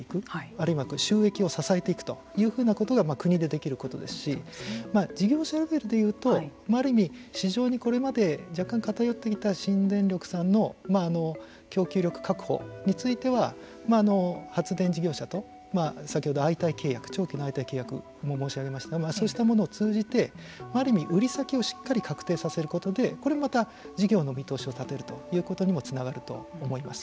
あるいは収益を支えていくというふうなことが国でできることですし事業者レベルでいうとある意味、市場にこれまで若干偏ってきた新電力さんの供給力確保については発電事業者と先ほど相対契約長期の相対契約と申し上げましたがそうしたものを通じてある意味売り先をしっかり確定させることでこれまた事業の見通しを立てるということにもつながると思います。